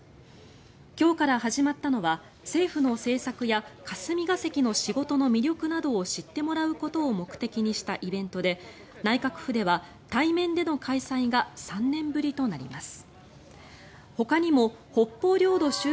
今日から始まったのは政府の政策や霞が関の仕事の魅力などを知ってもらうことを目的にしたイベントで内閣府では対面での開催が３年ぶりとなります。